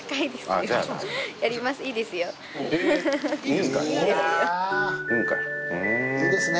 いいですね